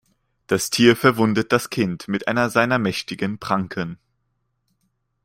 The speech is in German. Das Tier verwundet das Kind mit einer seiner mächtigen Pranken.